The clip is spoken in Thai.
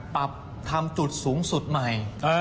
ปรับทำจุดสูงสุดใหม่